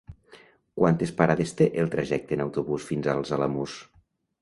Quantes parades té el trajecte en autobús fins als Alamús?